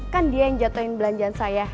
kan dia yang jatuhin belanjaan saya